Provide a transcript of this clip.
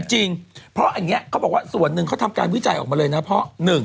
จริงเพราะอันนี้เขาบอกว่าส่วนหนึ่งเขาทำการวิจัยออกมาเลยนะเพราะ